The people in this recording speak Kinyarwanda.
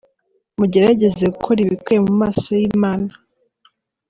Mugerageze gukora ibikwiye mu maso y’Imana.